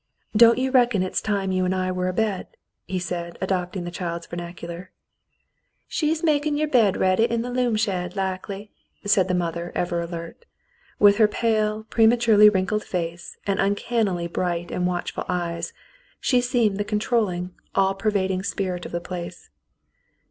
^^ Don't you reckon it's time you and I were abed ?" he asked, adopting the child's vernacular. "She's makin' yer bed ready in th' loom shed, likely," said the mother, ever alert. With her pale, prematurely wrinkled face and uncannily bright and watchful eyes, she seemed the controlling, all pervading spirit of the place.